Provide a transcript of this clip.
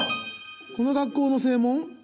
この学校の正門？